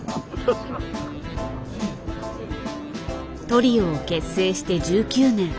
トリオを結成して１９年。